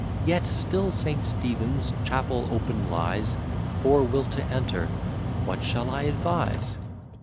Yet still St. Stephen's chapel open lies For Will to enter What shall I advise?